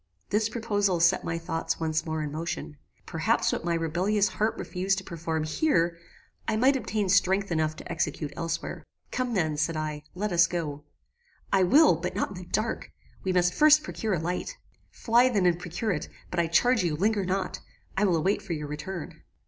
"This proposal set my thoughts once more in motion. Perhaps what my rebellious heart refused to perform here, I might obtain strength enough to execute elsewhere. "Come then," said I, "let us go." "I will, but not in the dark. We must first procure a light." "Fly then and procure it; but I charge you, linger not. I will await for your return.